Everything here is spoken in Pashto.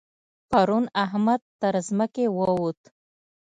پرون احمد تر ځمکې ووت.